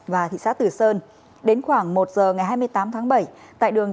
và thị xã tử sơn đến khoảng một giờ ngày hai mươi tám tháng bảy